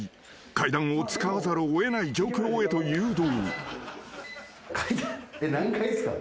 ［階段を使わざるを得ない状況へと誘導］